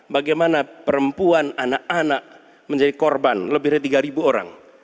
bagaimana perempuan anak anak menjadi korban lebih dari tiga orang